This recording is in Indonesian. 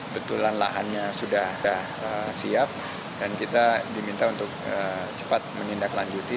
betulan lahannya sudah siap dan kita diminta untuk cepat menindaklanjuti